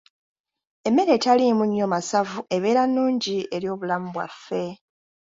Emmere etaliimu nnyo masavu ebeera nnungi eri obulamu bwaffe.